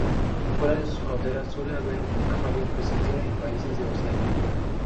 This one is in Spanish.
Fuera de sus fronteras, suele haber una mayor presencia en países de Oceanía.